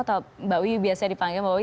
atau mbak wi biasa dipanggil mbak wi